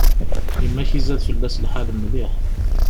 Yemma-k izad fell-as lḥal mliḥ.